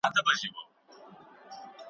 مرګی ظالم دی ژوند بې باوره ,